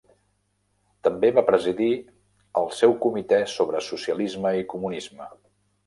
També va presidir el seu Comitè sobre Socialisme i Comunisme.